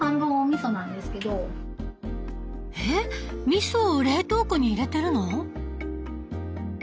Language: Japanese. えっみそを冷凍庫に入れてるの？